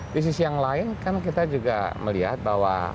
di sisi yang lain kan kita juga melihat bahwa